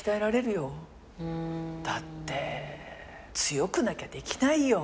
だって強くなきゃできないよ。